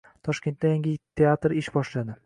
Toshkentda yangi kinoteatr ish boshladi